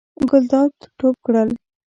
ګلداد ټوپ کړل.